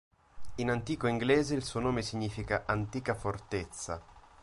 In Antico inglese il suo nome significa "Antica Fortezza".